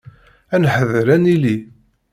Ad neḥder ad nili.